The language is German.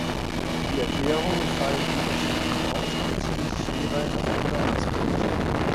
Die Erklärungen fallen unterschiedlich aus und beziehen sich jeweils auf andere Aspekte.